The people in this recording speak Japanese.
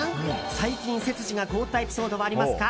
最近、背筋が凍ったエピソードはありますか？